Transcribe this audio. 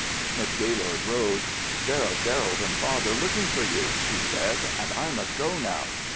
Miss Gaylord rose. "There are Gerald and father looking for you," she said, "and I must go now."